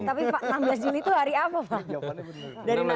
tapi enam belas juli itu hari apa pak